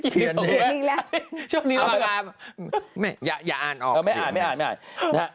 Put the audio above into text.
เขียนเลยช่วงนี้เราอ่านไม่อย่าอ่านออกสิไม่อ่าน